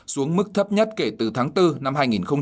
xuống mức thấp nhất kể từ tháng bốn năm hai nghìn hai mươi